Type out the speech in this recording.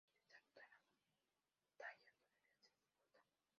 El sitio exacto de la batalla todavía se disputa.